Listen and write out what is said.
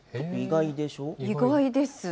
意外ですね。